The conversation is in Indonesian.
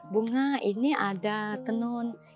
bunga ini ada tenun